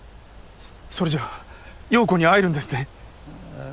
そそれじゃあ葉子に会えるんですね？